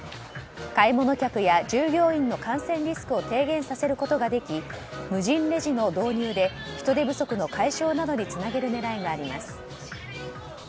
買い物客や従業員の感染リスクを低減させることができ無人レジの導入で人手不足の解消などにつなげる狙いがあります。